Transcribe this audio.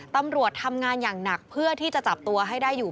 ตำรวจทำงานอย่างหนักเพื่อที่จะจับตัวให้ได้อยู่